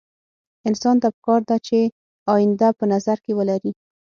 انسان ته پکار ده چې اينده په نظر کې ولري.